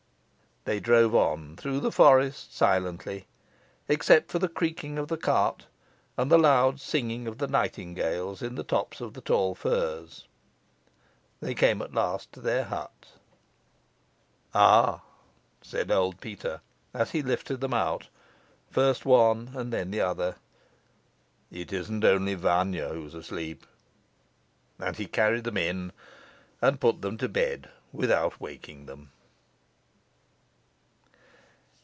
They drove on through the forest silently, except for the creaking of the cart and the loud singing of the nightingales in the tops of the tall firs. They came at last to their hut. "Ah!" said old Peter, as he lifted them out, first one and then the other; "it isn't only Vanya who's asleep." And he carried them in, and put them to bed without waking them.